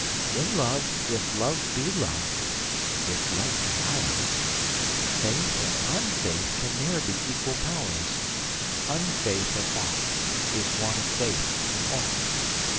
'In Love, if Love be Love, if Love be ours, Faith and unfaith can ne'er be equal powers: Unfaith in aught is want of faith in all.